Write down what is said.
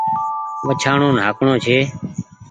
وڇآڻو ناڪڻو ڇي